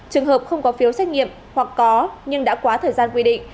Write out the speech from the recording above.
trường hợp không có phiếu xét nghiệm hoặc có nhưng đã quá thời gian quy định